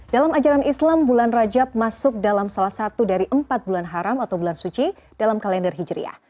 dalam ajaran islam bulan rajab masuk dalam salah satu dari empat bulan haram atau bulan suci dalam kalender hijriah